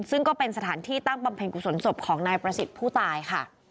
ซึ่งก็เป็นสถานที่ตั้งบำเพ็ญกุศลศพของนายประสิทธิ์ผู้ตายค่ะ